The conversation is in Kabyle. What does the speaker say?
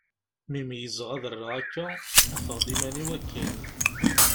Mi meyyzeɣ ad rreɣ akka, afeɣ-d iman-iw akkin.